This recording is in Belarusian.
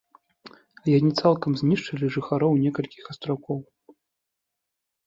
Яны цалкам знішчылі жыхароў некалькіх астраўкоў.